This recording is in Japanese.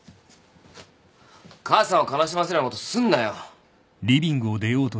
母さんを悲しませるようなことすんなよ。